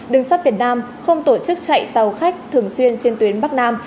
đường sắt việt nam không tổ chức chạy tàu khách thường xuyên trên tuyến bắc nam